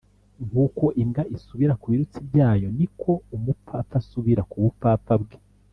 nk’uko imbwa isubira ku birutsi byayo, ni ko umupfapfa asubira ku bupfapfa bwe